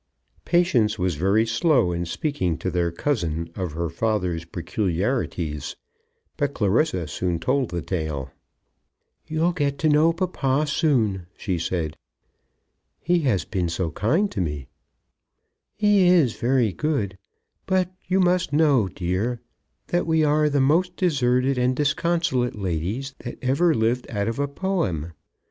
Patience was very slow in speaking to their cousin of her father's peculiarities; but Clarissa soon told the tale. "You'll get to know papa soon," she said. "He has been so kind to me." "He is very good; but you must know, dear, that we are the most deserted and disconsolate ladies that ever lived out of a poem.